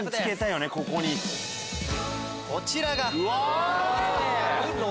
こちらが。